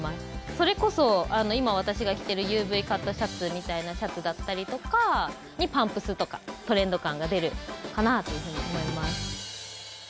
それこそ、今、私が着ているＵＶカットシャツみたいなシャツだったりとかにパンプスとかトレンド感が出るかなというふうに思います。